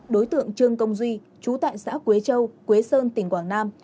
đối tượng trương công duy trú tại xã quế châu quế sơn tỉnh quảng nam